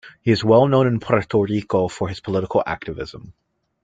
He is well known in Puerto Rico for his political activism.